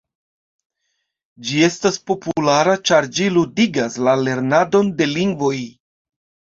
Ĝi estas populara ĉar ĝi “ludigas” la lernadon de lingvoj.